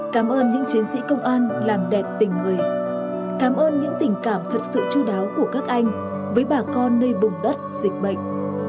cảm ơn những chiến sĩ công an làm đẹp tình người cảm ơn những tình cảm thật sự chú đáo của các anh với bà con nơi vùng đất dịch bệnh